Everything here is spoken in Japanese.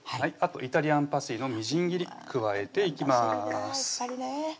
あとイタリアンパセリのみじん切り加えていきます